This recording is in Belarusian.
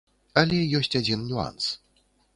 Але ёсць адзін нюанс.